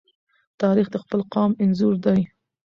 تاریخ د خپل قام انځور دی.